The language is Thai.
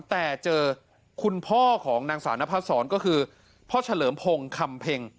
แต่เจอคุณพ่อของนางสาวนพัดศรก็คือพ่อเฉลิมพงศ์คำเพ็ง